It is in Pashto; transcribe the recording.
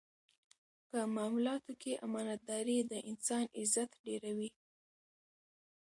په معاملاتو کې امانتداري د انسان عزت ډېروي.